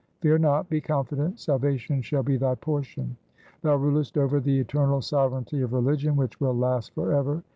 Fear not ; be confident ; salvation shall be .thy portion. Thou rulest over the eternal sovereignty of religion which will last for ever.